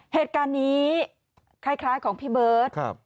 เหตุการณ์นี้คล้ายของพี่เบิร์ต